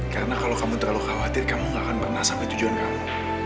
karena kalau kamu terlalu khawatir kamu gak akan pernah sampai tujuan kamu